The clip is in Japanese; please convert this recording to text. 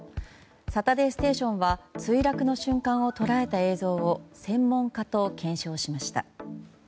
「サタデーステーション」は墜落の瞬間を捉えた映像を専門家と検証しました。